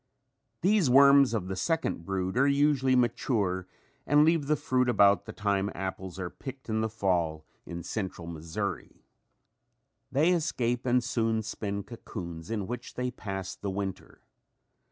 These worms of the second brood are usually mature and leave the fruit about the time apples are picked in the fall in central Missouri. They escape and soon spin cocoons in which they pass the winter.